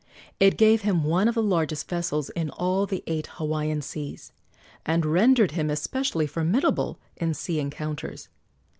It gave him one of the largest vessels in all the eight Hawaiian seas, and rendered him especially formidable in sea encounters.